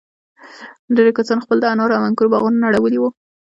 ډېرو کسانو خپل د انارو او انگورو باغونه نړولي وو.